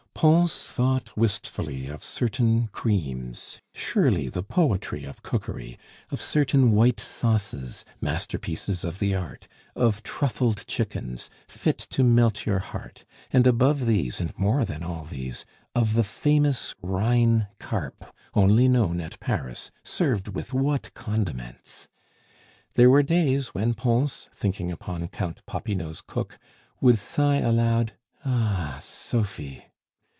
Pons thought wistfully of certain creams surely the poetry of cookery! of certain white sauces, masterpieces of the art; of truffled chickens, fit to melt your heart; and above these, and more than all these, of the famous Rhine carp, only known at Paris, served with what condiments! There were days when Pons, thinking upon Count Popinot's cook, would sigh aloud, "Ah, Sophie!"